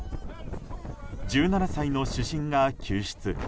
１７歳の主審が救出。